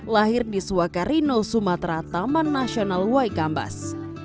lahir di suakarino sumatera taman nasional waikambas